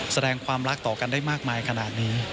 แสดงความรักต่อกันได้มากมายขนาดนี้